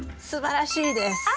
すばらしいです！